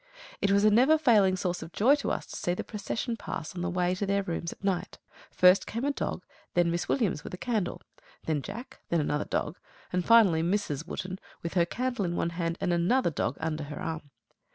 It was a never failing source of joy to us to see the procession pass on the way to their rooms at night. First came a dog; then Miss Williams, with a candle; then Jack; then another dog; and finally, Mrs. Wotton, with her candle in one hand and another dog under her arm.